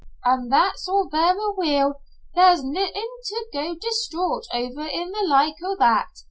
An' that's all vera weel. There's neathin' to go distraught over in the like o' that.